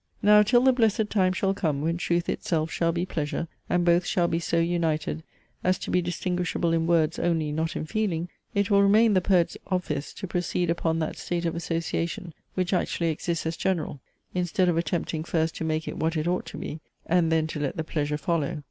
Now till the blessed time shall come, when truth itself shall be pleasure, and both shall be so united, as to be distinguishable in words only, not in feeling, it will remain the poet's office to proceed upon that state of association, which actually exists as general; instead of attempting first to make it what it ought to be, and then to let the pleasure follow.